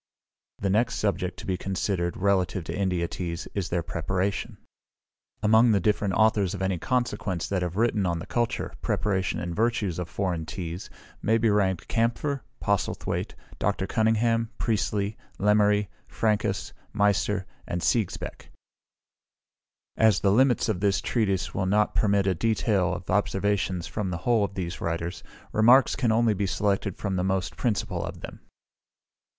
The next subject to be considered, relative to India teas, is their Preparation. Among the different authors of any consequence that have written on the culture, preparation, and virtues of foreign teas, may be ranked Kampfer, Postlethwaite, Dr. Cunningham, Priestley, Lemery, Franchus, Meister, and Sigesbeck; as the limits of this Treatise will not permit a detail of observations from the whole of these writers, remarks can only be selected from the most principal of them.